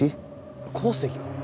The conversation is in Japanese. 鉱石かな